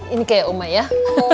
ini kayak omayah